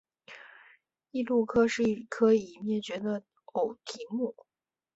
异鼷鹿科是一科已灭绝的偶蹄目。